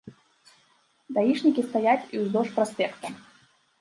Даішнікі стаяць і ўздоўж праспекта.